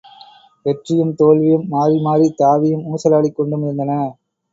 வெற்றியும் தோல்வியும் மாறி மாறித் தாவியும் ஊசலாடிக் கொண்டும் இருந்தன.